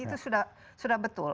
itu sudah betul